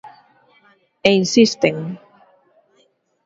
E insisten.